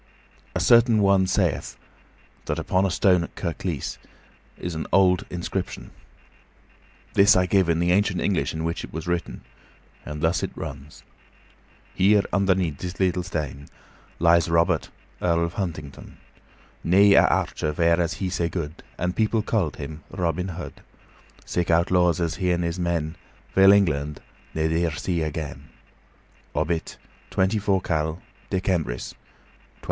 A certain one sayeth that upon a stone at Kirklees is an old inscription. This I give in the ancient English in which it was written, and thus it runs: HEAR UNDERNEAD DIS LAITL STEAN LAIS ROBERT EARL OF HUNTINGTUN NEA ARCIR VER AS HIE SAE GEUD AN PIPL KAULD IM ROBIN HEUD SICK UTLAWS AS HI AN IS MEN VIL ENGLAND NIDIR SI AGEN OBIIT 24 KAL. DEKEMBRIS 1247.